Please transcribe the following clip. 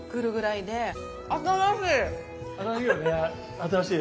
新しい！